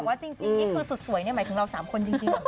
ไม่พี่บอกว่าจริงนี่คือสุดสวยหมายถึงเราสามคนจริงหรือเปล่า